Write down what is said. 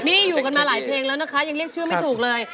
นี่อยู่กันมาหลายเพลงแล้วนะคะยังเรียกชื่อไม่ถูกเลย